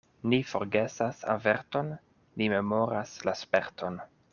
Ni forgesas averton, ni memoras la sperton.